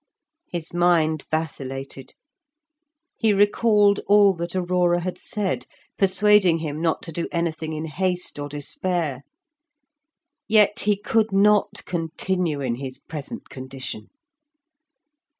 His mind vacillated; he recalled all that Aurora had said, persuading him not to do anything in haste or despair. Yet he could not continue in his present condition.